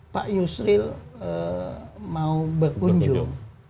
pak yusril mau berkunjung